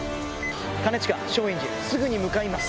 兼近松陰寺すぐに向かいます。